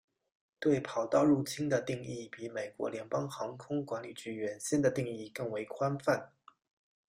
对跑道入侵的定义比美国联邦航空管理局原先的定义更为宽泛。